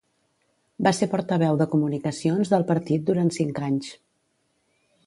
Va ser portaveu de comunicacions del partit durant cinc anys.